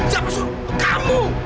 siapa suruh kamu